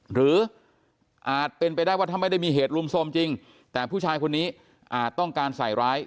หรืออาจเป็นไปได้ว่าถ้าไม่ได้มีเหตุลุมโทรมจริงแต่ผู้ชายคนนี้อาจต้องการใส่ร้าย